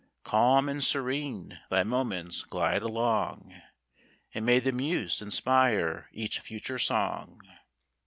Calm and serene thy moments glide along, And may the muse inspire each future song!